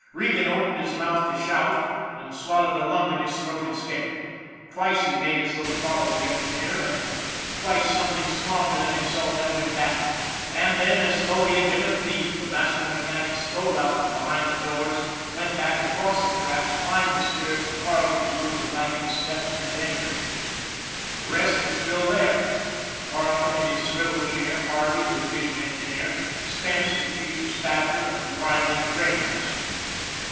Regan opened his mouth to shout and swallowed a lump in his throat instead. Twice he made as though to follow the engineer, and twice something stronger than himself held him back ; and then, as though he had been a thief, the master mechanic stole out from behind the doors, went back across the tracks, climbed the stairs to Carleton's room with lagging steps, and entered. The rest were still there : Carleton in his swivel chair, Harvey, the division engineer, Spence, the chief dis patcher, and Riley, the trainmaster.